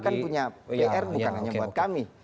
kita akan punya pr bukan hanya buat kami